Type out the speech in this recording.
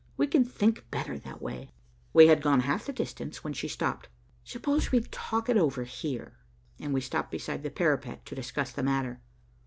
We can think better that way." We had gone half the distance, when she stopped. "Suppose we talk it over here," and we stopped beside the parapet to discuss the matter.